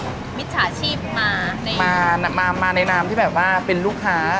วิชาชีพมาในน้ำมาในน้ำที่แบบว่าเป็นลูกค้า